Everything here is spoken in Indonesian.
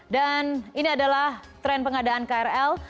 dan ini adalah tren pengadaan krl